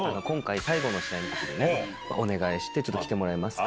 最後の試合の時にお願いして来てもらえますか？